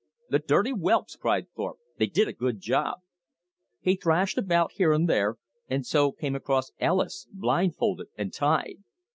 "The dirty whelps," cried Thorpe, "they did a good job!" He thrashed about here and there, and so came across Ellis blindfolded and tied.